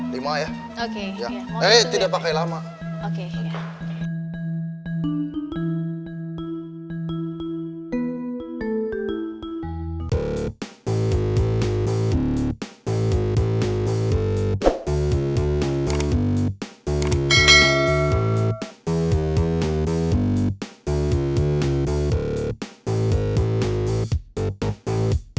lima ya oke eh tidak pakai lama oke